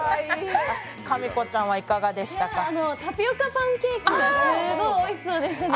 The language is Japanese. タピオカパンケーキがすごいおいしそうでしたね。